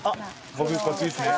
僕こっちですね。